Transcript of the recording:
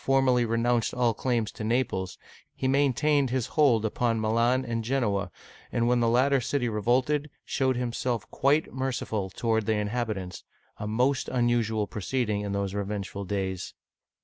formally renounced all claims to Naples, he maintained his hold upon Milan and Gen'oa, and when the latter city revolted, showed himself quite merciful toward the inhabitants, — a most unusual proceeding in those revengeful days.